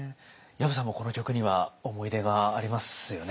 薮さんもこの曲には思い出がありますよね？